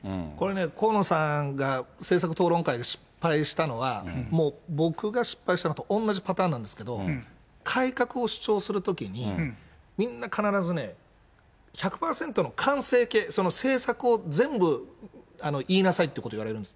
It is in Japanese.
河野さんが政策討論会で失敗したのは、もう僕が失敗したのと同じパターンなんですけれども、改革を主張するときに、みんな必ずね、１００％の完成形、その政策を全部言いなさいってことを言われるんです。